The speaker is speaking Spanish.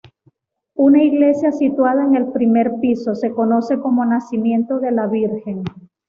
Una iglesia situada en el primer piso se conoce como Nacimiento de la Virgen.